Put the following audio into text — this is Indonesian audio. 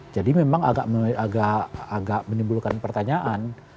jadi memang agak menimbulkan pertanyaan